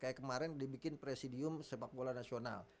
kayak kemarin dibikin presidium sepak bola nasional